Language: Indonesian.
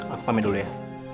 aku pamit dulu ya